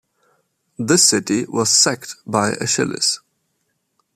This city was sacked by Achilles.